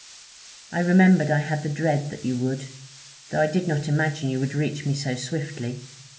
'I remembered I had the dread that you would, though I did not imagine you would reach me so swiftly.